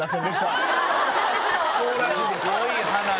そうらしいです。